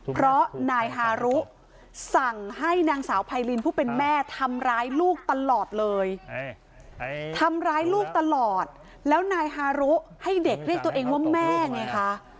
เพราะนายฮารุสั่งให้นางสาวไพรินผู้เป็นแม่ทำร้ายลูกตลอดเลยทำร้ายลูกตลอดแล้วนายฮารุให้เด็กเรียกตัวเองว่าแม่ไงคะ